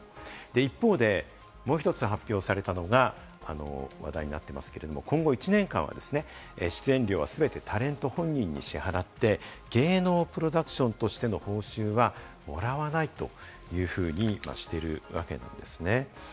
一方でもう一つ、発表されたのが話題になっていますけれども、今後１年間ですね、出演料は全てタレント本人に支払って芸能プロダクションとしての報酬はもらわないというふうにしているわけなんですね。